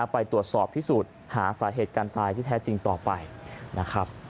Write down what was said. ไปตรวจสอบพิสูจน์หาสาเหตุการตายที่แท้จริงต่อไปนะครับ